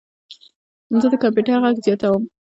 زه د کمپیوټر غږ زیاتوم.